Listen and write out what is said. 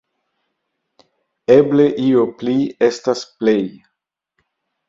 Eble 'lo pli' estas 'plej'.